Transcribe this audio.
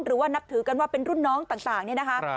หรือว่านับถือกันว่าเป็นรุ่นน้องต่างนี่นะคะ